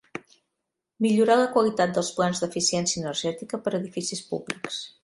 Millorar la qualitat dels Plans d'Eficiència Energètica per edificis públics.